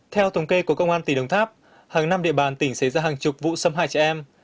theo tổng kê của công an tỉnh đồng tháp hàng năm địa bàn tỉnh xảy ra hàng chục vụ xâm hại trẻ em